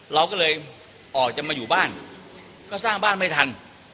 เราก็เลยออกจะมาอยู่บ้านก็สร้างบ้านไม่ทัน